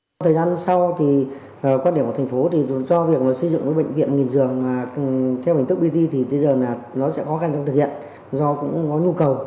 trong thời gian sau quan điểm của thành phố do việc xây dựng bệnh viện nghìn giường theo hình thức bd sẽ khó khăn trong thực hiện do cũng có nhu cầu